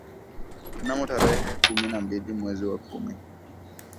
Mnamo tarehe kumi na mbili mwezi wa kumi